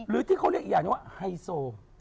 หรือที่เขาเรียกอีกอย่างหนึ่งว่าไฮโซ